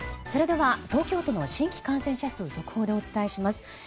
それでは東京都の新規感染者数を速報でお伝えします。